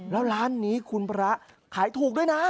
แล้วร้านนี้คุณพระขายถูกด้วยนะ